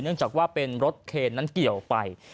จากว่าเป็นรถเคนนั้นเกี่ยวไป